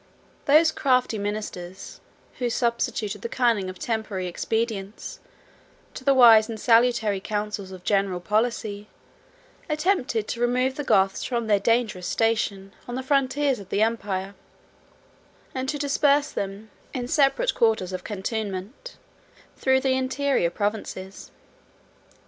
Those crafty ministers, who substituted the cunning of temporary expedients to the wise and salutary counsels of general policy, attempted to remove the Goths from their dangerous station on the frontiers of the empire; and to disperse them, in separate quarters of cantonment, through the interior provinces.